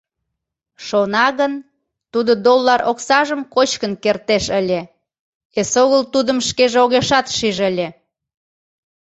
Шона гын, тудо доллар оксажым кочкын кертеш ыле... эсогыл тудым шкеже огешат шиж ыле.